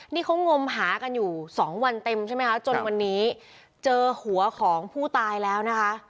นี่เขางมหากันอยู่สองวันเต็มใช่ไหมคะจนวันนี้เจอหัวของผู้ตายแล้วนะคะ